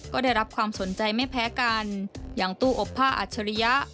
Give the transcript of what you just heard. ก็ได้รับความสนใจไม่แพ้กันอย่างตู้อบผ้าอัจฉริยะ